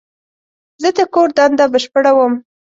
زه د کور دنده بشپړوم.